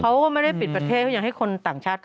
เขาก็ไม่ได้ปิดประเทศเขายังให้คนต่างชาติเขา